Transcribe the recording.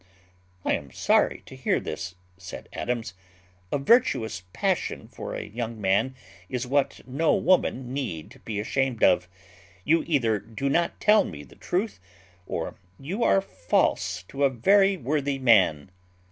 "I am sorry to hear this," said Adams; "a virtuous passion for a young man is what no woman need be ashamed of. You either do not tell me truth, or you are false to a very worthy man."